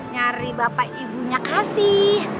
nyari bapak ibunya kasih